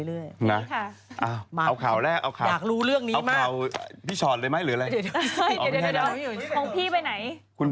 ต้องหาความแปลงใหม่ไปทุกคน